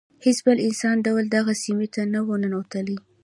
هیڅ بل انساني ډول دغه سیمې ته نه و ننوتی.